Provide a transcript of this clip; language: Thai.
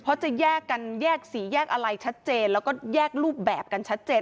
เพราะจะแยกกันแยกสีแยกอะไรชัดเจนแล้วก็แยกรูปแบบกันชัดเจน